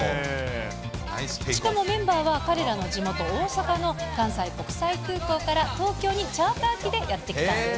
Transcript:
しかもメンバーは、彼らの地元、大阪の関西国際空港から、東京にチャーター機でやって来たんです。